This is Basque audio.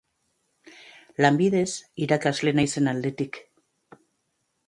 Lanbidez irakasle naizen aldetik.